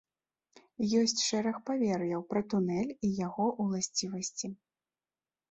Ёсць шэраг павер'яў пра тунэль і яго ўласцівасці.